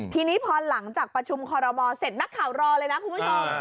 ทีนี้พอหลังจากประชุมคอรมอเสร็จนักข่าวรอเลยนะคุณผู้ชม